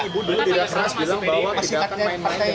ibu dulu tidak pernah bilang bahwa tidak akan main main